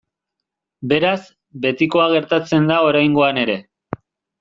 Beraz, betikoa gertatzen da oraingoan ere.